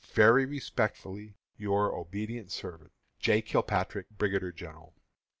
Very respectfully, your obedient servant, J. KILPATRICK, Brigadier General.